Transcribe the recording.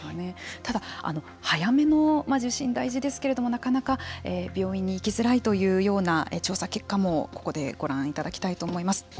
ただ、早めの受診大事ですけれどもなかなか病院に行きづらいというような調査結果もここでご覧いただきたいと思います。